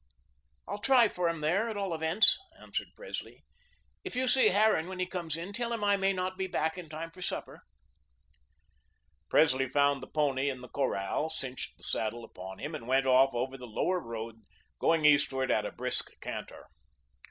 "I'll try for him there, at all events," answered Presley. "If you see Harran when he comes in, tell him I may not be back in time for supper." Presley found the pony in the corral, cinched the saddle upon him, and went off over the Lower Road, going eastward at a brisk canter.